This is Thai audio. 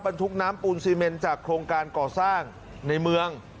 ทุกน้ำปูนซีเมนจากโครงการก่อสร้างในเมือง